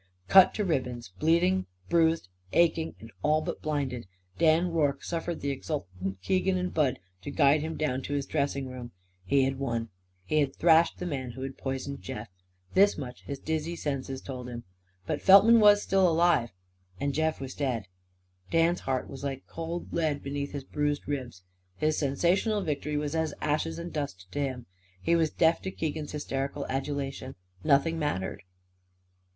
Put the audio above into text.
Cut to ribbons, bleeding, bruised, aching and all but blinded, Dan Rorke suffered the exultant Keegan and Bud to guide him down to his dressing room. He had won. He had thrashed the man who had poisoned Jeff. This much his dizzy senses told him. But Feltman was still alive. And Jeff was dead. Dan's heart was like cold lead beneath his bruised ribs. His sensational victory was as ashes and dust to him. He was deaf to Keegan's hysterical adulation. Nothing mattered.